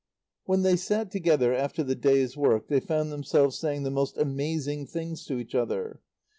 When they sat together after the day's work they found themselves saying the most amazing things to each other.